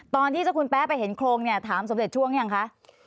ตอนที่เจ้าคุณแป๊บไปเห็นโครงถามสมดุลช่วงยังคะ